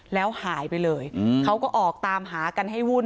แล้วหายไปเลยเขาก็ออกตามหากันให้วุ่น